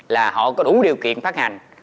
là họ có đủ điều kiện phát hành